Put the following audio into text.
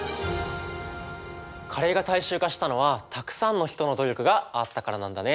カレーが大衆化したのはたくさんの人の努力があったからなんだね。